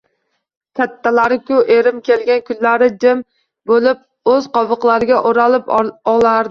Kattalari-ku, erim kelgan kunlari jim bo'lib, o'z qobiqlariga o'ralib olardilar